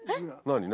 何？